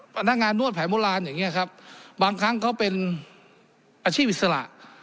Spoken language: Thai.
พนักงานนวดแผนโบราณอย่างนี้ครับบางครั้งเขาเป็นอาชีพอิสระ